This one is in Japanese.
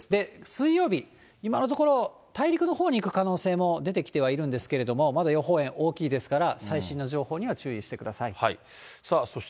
水曜日、今のところ、大陸のほうに行く可能性も出てきてはいるんですけれども、まだ予報円、大きいですから、最新の情報には注意してください。